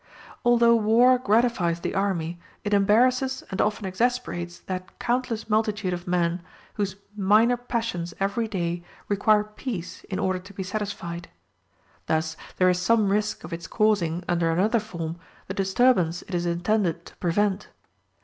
Although war gratifies the army, it embarrasses and often exasperates that countless multitude of men whose minor passions every day require peace in order to be satisfied. Thus there is some risk of its causing, under another form, the disturbance it is intended to prevent.